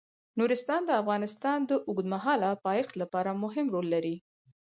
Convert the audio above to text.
نورستان د افغانستان د اوږدمهاله پایښت لپاره مهم رول لري.